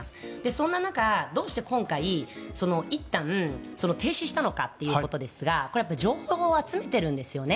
そんな中、どうして今回いったん停止したのかということですが情報を集めているんですよね。